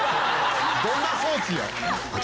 「どんな装置や！」